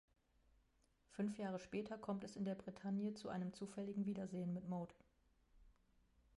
Fünf Jahre später kommt es in der Bretagne zu einem zufälligen Wiedersehen mit Maud.